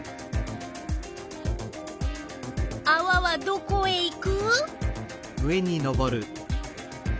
あわはどこへいく？